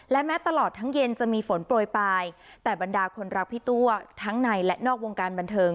และแม้ตลอดทั้งเย็นจะมีฝนโปรยปลายแต่บรรดาคนรักพี่ตัวทั้งในและนอกวงการบันเทิง